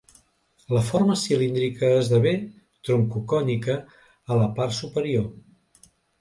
La forma cilíndrica esdevé troncocònica a la part superior.